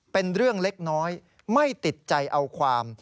เป็นเรื่องเล็กน้อยไม่ติดใจเอาความ